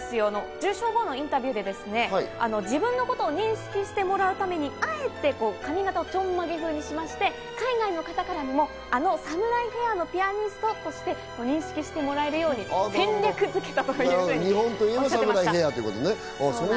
受賞後のインタビューで、自分のことを認識してもらうために、あえて髪形をちょんまげ風にしまして、海外の方からも、あのサムライヘアのピアニストとして認識してもらえるように戦略づけたということをおっしゃっていました。